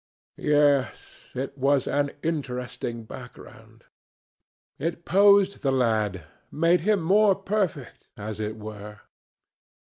Yes; it was an interesting background. It posed the lad, made him more perfect, as it were.